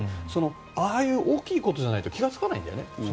ああいう大きいことじゃないと気付かないんだよね。